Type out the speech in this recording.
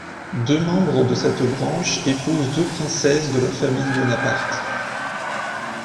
Deux membres de cette branche épousent deux princesses de la famille Bonaparte.